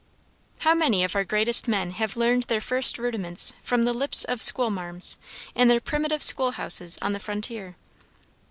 How many of our greatest men have learned their first rudiments from the lips of "school marms," in their primitive school houses on the frontier!